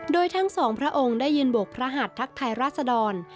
โดยทั้งสองพระองค์ได้ยืนบวกพระหัดทักทายราษดร